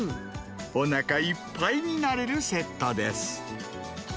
おなかいっぱいになれるセットです。